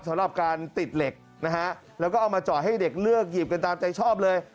สำหรับการติดเหล็กนะฮะแล้วก็เอามาจอดให้เด็กเลือกหยิบกันตามใจชอบเลย